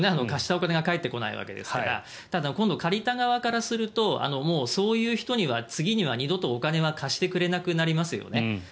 貸したお金が返ってこないわけですからただ、借りた側からするとそういう人には次には二度とお金は貸してくれなくなりますよね。